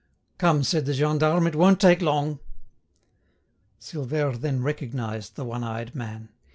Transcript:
"Come," said the gendarme. "It won't take long." Silvère then recognised the one eyed man.